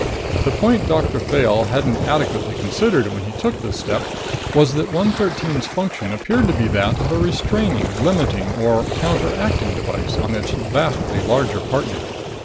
The point Doctor Fayle hadn't adequately considered when he took this step was that 113's function appeared to be that of a restraining, limiting or counteracting device on its vastly larger partner.